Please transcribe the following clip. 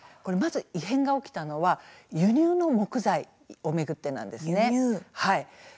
異変が起きたのは輸入の木材を巡ってなんですね。